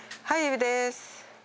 はい。